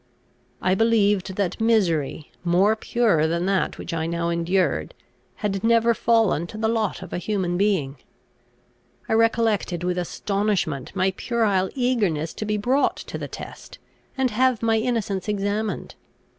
I believed that misery, more pure than that which I now endured, had never fallen to the lot of a human being. I recollected with astonishment my puerile eagerness to be brought to the test, and have my innocence examined.